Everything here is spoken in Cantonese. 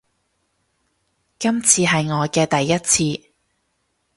今次係我嘅第一次